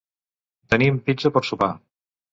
Tenim pizza per sopar.